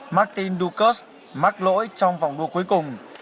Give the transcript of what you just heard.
martin dukas mắc lỗi trong vòng đua cuối cùng